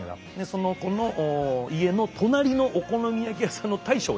その子の家の隣のお好み焼き屋さんの大将をやってます。